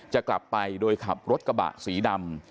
จะกลับไปโดยขับรถกระบะสีดำ